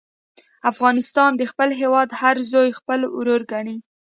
افغان د خپل هېواد هر زوی خپل ورور ګڼي.